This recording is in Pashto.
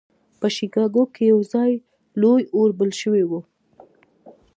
په شيکاګو کې يو ځل لوی اور بل شوی و.